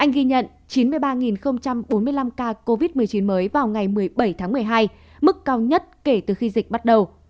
anh ghi nhận chín mươi ba bốn mươi năm ca covid một mươi chín mới vào ngày một mươi bảy tháng một mươi hai mức cao nhất kể từ khi dịch bắt đầu